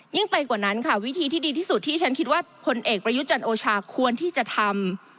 ไปกว่านั้นค่ะวิธีที่ดีที่สุดที่ฉันคิดว่าผลเอกประยุจันทร์โอชาควรที่จะทำ